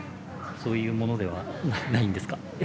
そういうものではないんですか？